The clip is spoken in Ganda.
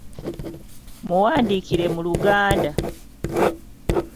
Muwandiikire mu Luganda.